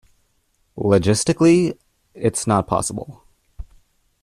Logistically it's not possible.